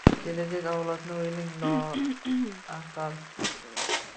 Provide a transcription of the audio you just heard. Kelajak avlodni o’ylang loaqal –